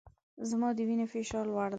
زما د وینې فشار لوړ دی